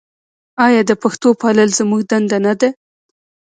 آیا د پښتو پالل زموږ دنده نه ده؟